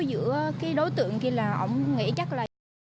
giữa đối tượng kia là ông nghĩ chắc là